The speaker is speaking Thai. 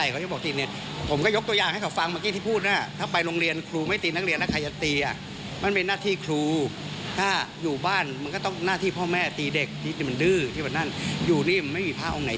ก็มันพระอื่นไม่ได้ดูอ่ะหลวงตาดูอยู่ก็ต้องหลวงตาตีดิ